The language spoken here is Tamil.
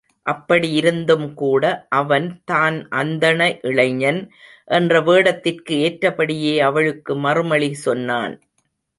அப்படி இருந்தும்கூட அவன் தான் அந்தண இளைஞன், என்ற வேடத்திற்கு ஏற்றபடியே அவளுக்கு மறுமொழி சொன்னான்.